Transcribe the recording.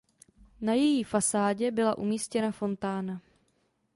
Na její fasádě byla umístěna fontána.